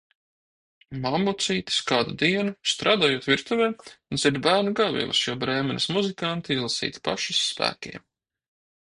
Mammucītis kādu dienu, strādājot virtuvē, dzird bērna gaviles, jo Brēmenes muzikanti izlasīti pašas spēkiem.